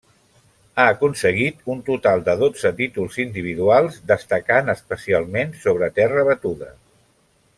Ha aconseguit un total de dotze títols individuals, destacant especialment sobre terra batuda.